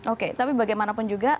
oke tapi bagaimanapun juga